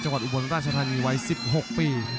จังหวัดอุบรรณรัชธรรมนีไว้๑๖ปี